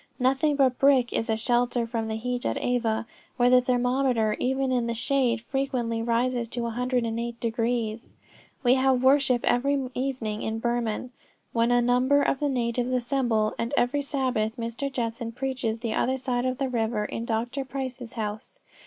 Nothing but brick is a shelter from the heat at Ava, where the thermometer even in the shade frequently rises to 108 degrees. We have worship every evening in Burman, when a number of the natives assemble, and every Sabbath Mr. Judson preaches the other side of the river in Dr. Price's house.